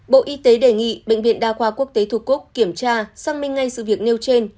bộ y tế đề nghị bệnh viện đa khoa quốc tế thu cúc kiểm tra xác minh ngay sự việc nêu trên